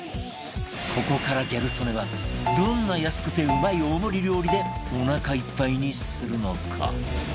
ここからギャル曽根はどんな安くてうまい大盛り料理でおなかいっぱいにするのか？